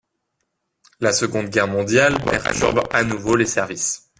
La Seconde Guerre mondiale perturbe à nouveau les services.